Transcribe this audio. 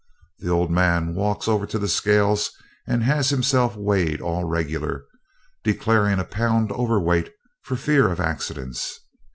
The old man walks over to the scales and has himself weighed all regular, declaring a pound overweight for fear of accidents.